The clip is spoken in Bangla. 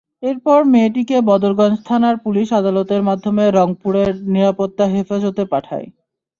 এরপর মেয়েটিকে বদরগঞ্জ থানার পুলিশ আদালতের মাধ্যমে রংপুরে নিরাপত্তা হেফাজতে পাঠায়।